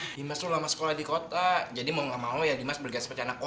nadimas tuh lama sekolah di kota jadi mau gak mau ya nadimas bergantung seperti anak tono